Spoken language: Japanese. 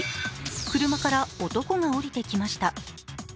車から男が降りてきました。